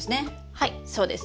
はいそうです。